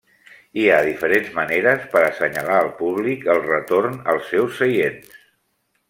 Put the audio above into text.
Hi ha diferents maneres per a assenyalar al públic el retorn als seus seients.